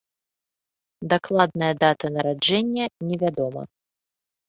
Дакладная дата нараджэння не вядома.